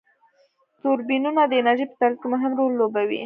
توربینونه د انرژی په تولید کی مهم رول لوبوي.